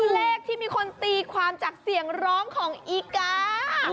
เลขที่มีคนตีความจากเสียงร้องของอีกา